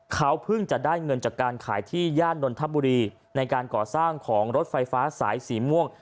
เขาเพิ่งจะได้เงินจากการขายที่ย่านนทบุรีในการก่อสร้างของรถไฟฟ้าสายสีม่วง